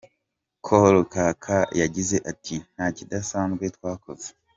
Col Kaka yagize ati “Nta kidasanzwe twakoze.